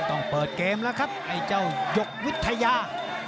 ต้องเปิดเกมแล้วครับไอ้เจ้าหยกวิทยา